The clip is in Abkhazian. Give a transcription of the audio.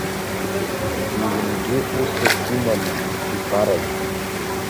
Иҩнгьы усыс имамызт, игәарагь.